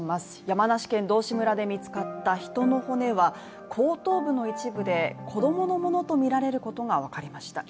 山梨県道志村で見つかった人の骨は後頭部の一部で子供のものとみられることが分かりました。